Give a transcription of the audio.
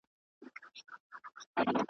ځلېدل یې د لمر وړانګو کي موجونه .